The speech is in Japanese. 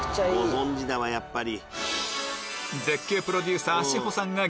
ご存じだわやっぱり。